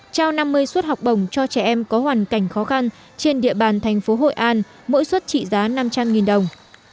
trao năm mươi suất học bổng cho trẻ em có hoàn cảnh khó khăn trên địa bàn thành phố hội an mỗi suất trị giá năm trăm linh đồng